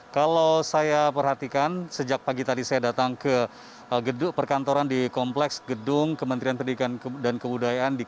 kalau saya perhatikan sejak pagi tadi saya datang ke gedung perkantoran di kompleks gedung kementerian pendidikan dan kebudayaan